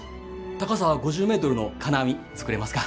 高さ５０メートルの金網作れますか？